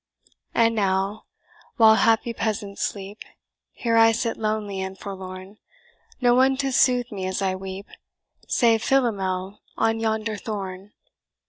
"And now, while happy peasants sleep, Here I sit lonely and forlorn; No one to soothe me as I weep, Save Philomel on yonder thorn.